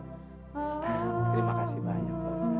terima kasih banyak pausat